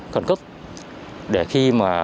khẩn cấp để khi mà